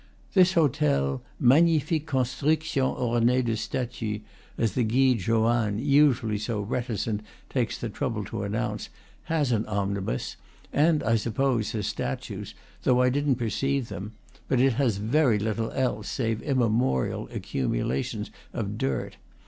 This hotel, "magnifique construction ornee de statues," as the Guide Joanne, usually so reticent, takes the trouble to announce, has an omnibus, and, I suppose, has statues, though I didn't perceive them; but it has very little else save immemorial accumulations of dirt.